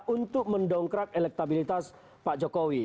untuk mendongkrak elektabilitas pak jokowi